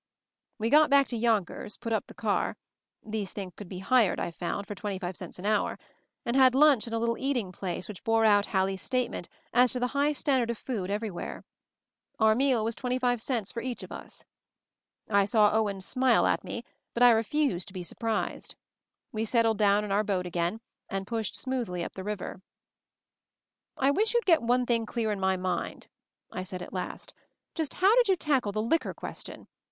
We got back to Yonkers, put up the car — these things could be hired, I found, for twenty five cents an hour — and had lunch in a little eating place which bore out Hal lie's statement as to the high standard of food everywhere. Our meal was twenty five cents for each of us. I saw Owen smile MOVING THE MOUNTAIN 183 at me, but I refused to be surprised. We settled down in our boat again, and pushed smoothly up the river. "I wish you'd get one thing clear in my mind," I said at last. "Just how did you tackle the liquor question.